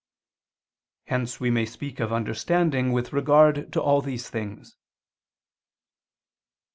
Hence we may speak of understanding with regard to all these things.